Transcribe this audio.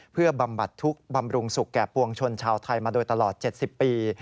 เพื่อบำบัดทุกข์บำรุงสุขแก่ปวงชนชาวไทยมาโดยตลอด๗๐ปี